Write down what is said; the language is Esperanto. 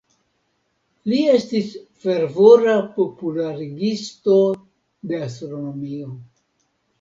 Li estis fervora popularigisto de astronomio.